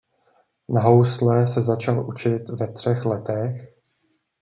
Na housle se začal učit ve třech letech.